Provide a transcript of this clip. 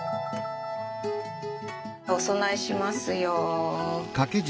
お供えしますよ。